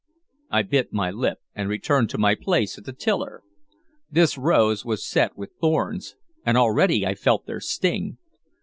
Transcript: I bit my lip, and returned to my place at the tiller. This rose was set with thorns, and already I felt their sting.